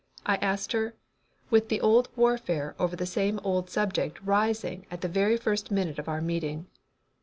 I asked her, with the old warfare over the same old subject rising at the very first minute of our meeting.